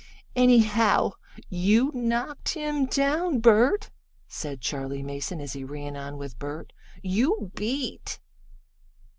"Anyhow, you knocked him down, Bert," said Charley Mason, as he ran on with Bert. "You beat!"